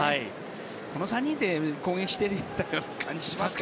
この３人で攻撃しているみたいな感じがしますからね。